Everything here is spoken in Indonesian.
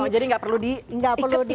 jadi gak perlu diikat ikat apa segala macam